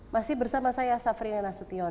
masih bersama saya safriana sution